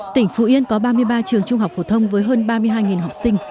tỉnh phú yên có ba mươi ba trường trung học phổ thông với hơn ba mươi hai học sinh